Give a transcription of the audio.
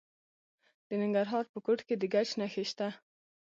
د ننګرهار په کوټ کې د ګچ نښې شته.